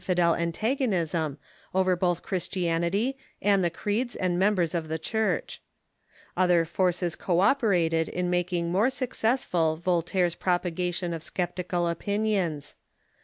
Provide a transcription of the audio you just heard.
'^,*, inndel antagonism over both Christianity and the creeds and members of the Church. Other forces co operated 340 THE MODERN CHURCH in making more successful Voltaire's propagation of sceptical opinions.